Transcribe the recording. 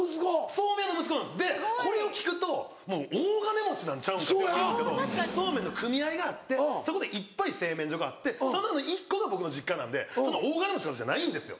そうめん屋の息子なんですでこれを聞くともう大金持ちなんちゃうんかって言われるんですけどそうめんの組合があってそこでいっぱい製麺所があってその中の１個が僕の実家なんで大金持ちとかじゃないんですよ。